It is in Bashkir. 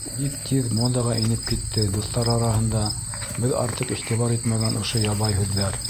Бик тиҙ модаға инеп китте дуҫтары араһында беҙ артыҡ иғтибар итмәгән ошо ябай һүҙҙәр.